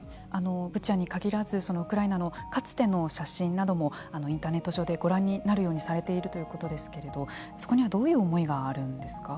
ブチャに限らずウクライナのかつての写真などもインターネット上でご覧になるようにされているということですけれどもそこにはどういう思いがあるんですか。